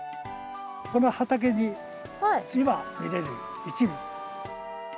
この畑に今見れる一部。